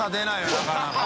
なかなか。